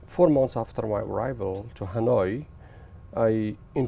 từ bốn tháng sau khi tôi đến hà nội